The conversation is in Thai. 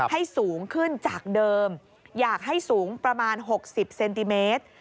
ให้สูงขึ้นจากเดิมอยากให้สูงประมาณ๖๐เซนติเมตร